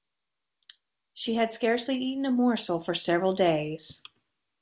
She had scarcely eaten a morsel for several days.